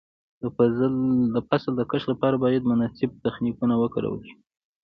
د فصل د کښت لپاره باید مناسب تخنیکونه وکارول شي.